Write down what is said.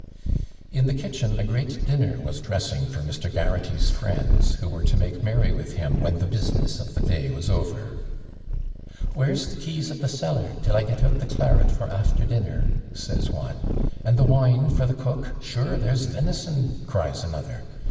In the kitchen a great dinner was dressing for Mr. Garraghty's friends, who were to make merry with him when the business of the day was over. 'Where's the keys of the cellar, till I get out the claret for after dinner,' says one; 'and the wine for the cook sure there's venison,' cries another.